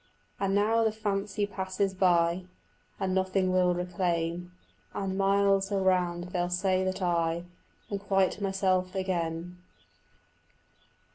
And now the fancy passes by, And nothing will remain, And miles around they'll say that I Am quite myself again.